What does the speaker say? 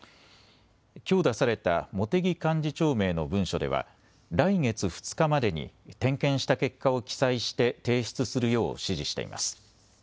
きょう出された茂木幹事長名の文書では来月２日までに点検した結果を記載して提出するよう指示しています。